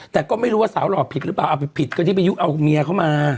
แต่ก็ไม่รู้ว่าสาวหล่อผิดหรือเปล่าเอาไปผิดก็ที่ไปยุเอาเมียเขามา